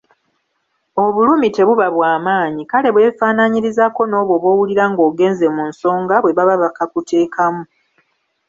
Obulumi tebuba bw'amaanyi, kale bwefaananyirizaako n’obwo bw’owulira ng’ogenze mu nsonga bwe baba bakakakuteekamu.